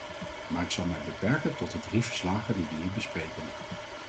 Maar ik zal mij beperken tot de drie verslagen die we hier bespreken.